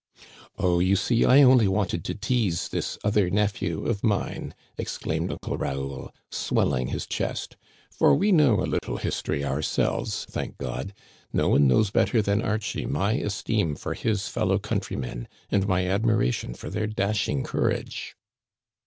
"Oh, you see, I only wanted to tease this other nephew of mine," exclaimed Uncle Raoul, swelling his chest ;" for we know a little history ourselves, thank God. No one knows better than Archie my esteem for his fellow countrymen, and my admiration for their dash ing courage."